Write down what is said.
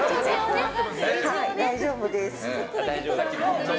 大丈夫です。